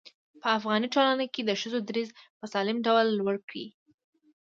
په افغاني ټولنه کې د ښځو دريځ په سالم ډول لوړ کړي.